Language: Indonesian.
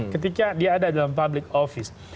ketika dia ada dalam public office